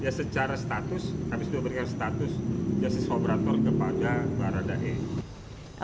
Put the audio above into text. ya secara status habis itu berikan status justice kolaborator kepada baradae